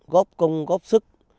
góp công góp sức